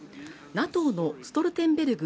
ＮＡＴＯのストルテンベルグ